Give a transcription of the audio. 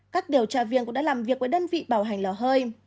các điều tra viên cũng đã làm việc với đơn vị bảo hành lò hơi